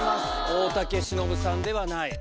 大竹しのぶさんではない。